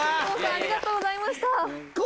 ありがとうございました昴